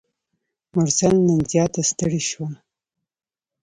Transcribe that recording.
مرسل نن زیاته ستړي شوه.